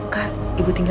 wah dateng juga